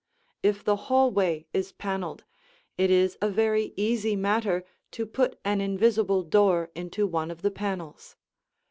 If the hallway is paneled, it is a very easy matter to put an invisible door into one of the panels.